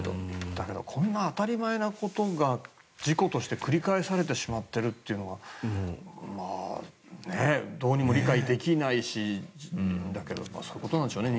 だけどこんな当たり前のことが事故として繰り返されてしまっているというのがどうにも理解できないしだけそういうことなんでしょうね